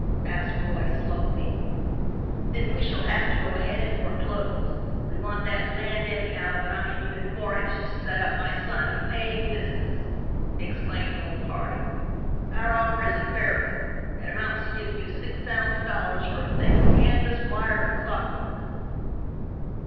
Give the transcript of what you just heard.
asked Roy, slowly. "Then we shall have to go ahead and foreclose. We want that land anyhow, but I am even more anxious to set up my son in a paying business," exclaimed old Harding. "Our offer is a fair one. It amounts to giving you six thousand dollars for a thing of canvas, wire and clockwork."